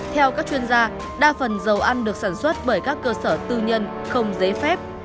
theo các chuyên gia đa phần dầu ăn được sản xuất bởi các cơ sở tư nhân không giấy phép